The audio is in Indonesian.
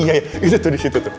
iya iya itu tuh disitu tuh